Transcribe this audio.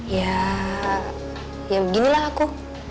ya ya beginilah aku